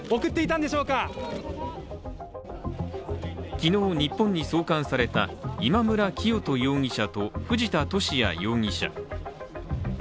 昨日、日本に送還された今村磨人容疑者と藤田聖也容疑者。